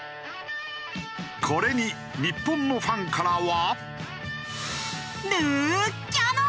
これに日本のファンからは。